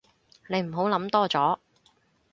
你唔好諗多咗